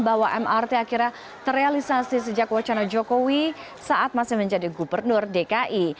bahwa mrt akhirnya terrealisasi sejak wacana jokowi saat masih menjadi gubernur dki